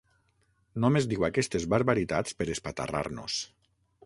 Només diu aquestes barbaritats per espatarrar-nos.